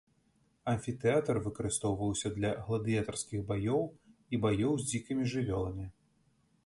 Амфітэатр выкарыстоўваўся для гладыятарскіх баёў і баёў з дзікімі жывёламі.